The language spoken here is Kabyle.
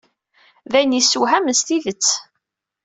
D ayen yessewhamen s tidet.